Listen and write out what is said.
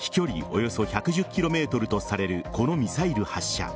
およそ１１０ｋｍとされるこのミサイル発射。